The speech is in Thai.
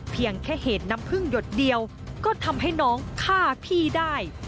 เพียงแค่เหตุน้ำพึ่งหยดเดียวก็ทำให้น้องฆ่าพี่ได้